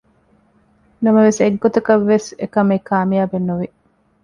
ނަމަވެސް އެއްގޮތަކަށްވެސް އެކަމެއް ކާމިޔާބެއް ނުވި